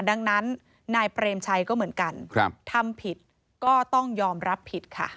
ดังนั้นนายเปรมชัยก็เหมือนกันทำผิดก็ต้องยอมรับผิดค่ะ